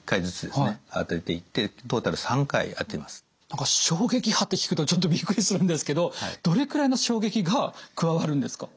何か衝撃波って聞くとちょっとビックリするんですけどどれくらいの衝撃が加わるんですか？